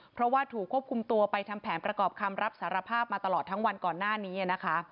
เพราะว่าถูกควบคุมตัวไปทำแผนประกอบคำรับสารภาพมาตลอดทั้งวันก่อนหน้านี้นะคะ